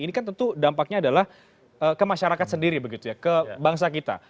ini kan tentu dampaknya adalah kemasyarakat sendiri begitu ya kebangsa kita